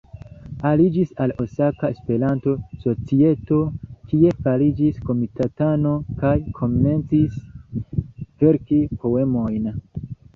Aliĝis al Osaka Esperanto-Societo, kie fariĝis komitatano, kaj komencis verki poemojn.